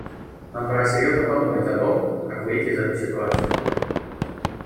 Нам пора серьезно подумать о том, как выйти из этой ситуации.